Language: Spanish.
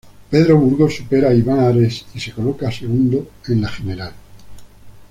Pedro Burgo supera a Iván Ares, y se coloca segunda en la general.